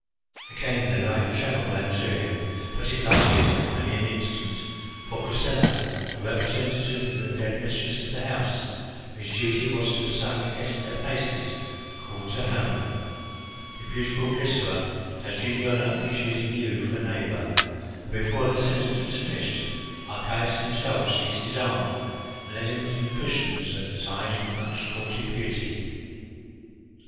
Again the light tremour ran through him, but it lasted only an instant; for Chrysilla, the representative of the dead mistress of the house, whose duty it was to assign the guests their places, called to Hermon, "The beautiful Glycera does you the honour of choosing you for a neighbour" and, before the sentence was finished, Archias himself seized his arm and led him to the cushions at the side of the much courted beauty.